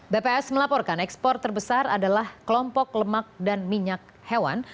bps melaporkan ekspor terbesar adalah kelompok lemak dan minyak hewan